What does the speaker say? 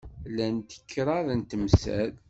Llant kraḍ n temsal.